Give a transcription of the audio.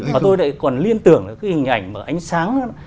và tôi còn liên tưởng cái hình ảnh ánh sáng